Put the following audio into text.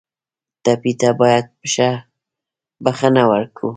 ټپي ته باید بښنه ورکړو.